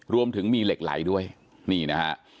รวมถึงมีเหล็กไหลด้วยนี่นะฮะ